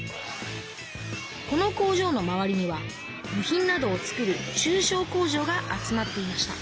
この工場の周りには部品などを作る中小工場が集まっていました